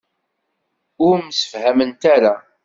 Ur msefhament ara.